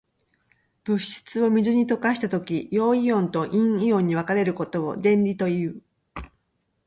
物質を水に溶かしたときに、陽イオンと陰イオンに分かれることを電離という。